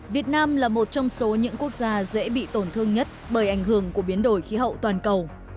việt nam là một trong số những quốc gia dễ bị tổn thương nhất bởi ảnh hưởng của biến đổi khí hậu toàn cầu